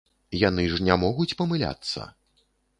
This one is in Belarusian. Яны ж не могуць памыляцца!